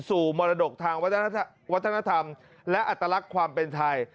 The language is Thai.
มรดกทางวัฒนธรรมและอัตลักษณ์ความเป็นไทย